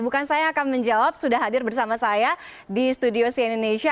bukan saya yang akan menjawab sudah hadir bersama saya di studio sie indonesia